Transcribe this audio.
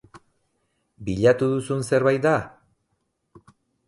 Bilatu duzun zerbait da?